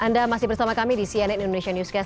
anda masih bersama kami di cnn indonesia newscast